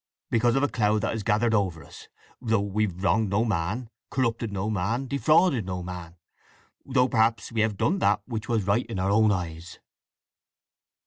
"Because of a cloud that has gathered over us; though 'we have wronged no man, corrupted no man, defrauded no man!' Though perhaps we have 'done that which was right in our own eyes.